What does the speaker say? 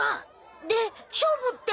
で勝負って？